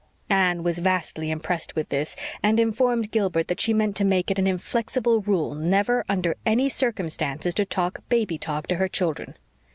Anne was vastly impressed with this, and informed Gilbert that she meant to make it an inflexible rule never, under any circumstances, to talk "baby talk" to her children.